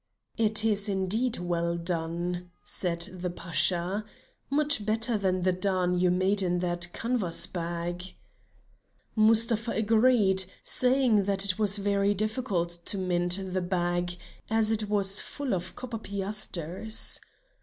"It is indeed well done," said the Pasha; "much better than the darn you made in that canvas bag." Mustapha agreed, saying that it was very difficult to mend the bag as it was full of copper piasters.